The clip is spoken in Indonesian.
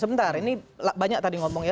sebentar ini banyak tadi ngomong ya